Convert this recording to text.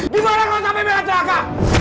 saya menanggung sampai bella celaka